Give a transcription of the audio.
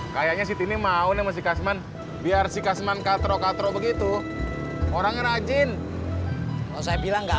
kayaknya siti ini mau nih masih kasman biar si kasman katro katro begitu orangnya rajin kalau saya bilang enggak